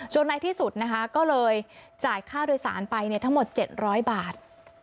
ในที่สุดนะคะก็เลยจ่ายค่าโดยสารไปทั้งหมด๗๐๐บาท